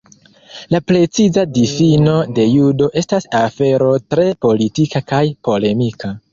La preciza difino de "Judo" estas afero tre politika kaj polemika.